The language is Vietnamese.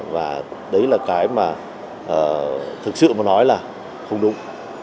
và đấy là cái mà thực sự mà nói là không đúng